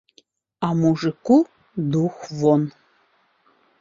А мужыку дух вон.